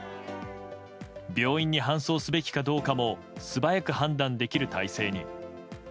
病院に搬送すべきかどうかも素早く判断できる体制に。